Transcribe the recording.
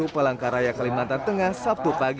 palangkaraya kalimantan tengah sabtu pagi